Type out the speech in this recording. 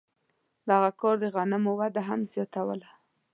دغه کار د غنمو وده هم زیاتوله.